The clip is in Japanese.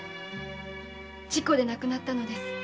事故で亡くなったのです。